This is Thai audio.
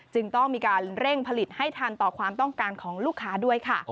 จึงต้องมีการเร่งผลิตให้ทันต่อความต้องการของลูกค้าด้วยค่ะ